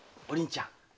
お凛ちゃん。